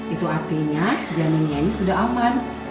itu artinya jamin nyanyi sudah aman